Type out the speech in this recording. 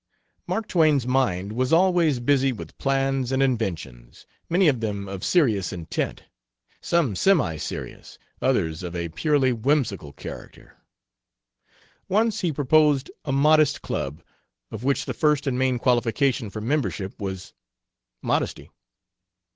Mark Twain's mind was always busy with plans and inventions, many of them of serious intent, some semi serious, others of a purely whimsical character. Once he proposed a "Modest Club," of which the first and main qualification for membership was modesty.